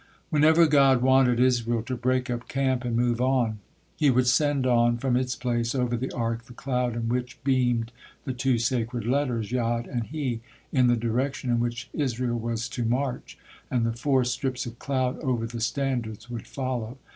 Whenever God wanted Israel to break up camp and move on, He would send on from its place over the Ark the cloud in which beamed the two sacred letters Yod and He in the direction in which Israel was to march, and the four strips of cloud over the standards would follow.